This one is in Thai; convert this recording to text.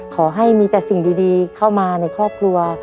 ขอให้มีแต่สิ่งดีเข้ามาในครอบครัว